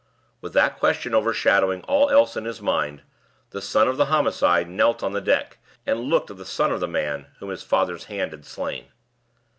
With that question overshadowing all else in his mind, the son of the homicide knelt on the deck, and looked at the son of the man whom his father's hand had slain.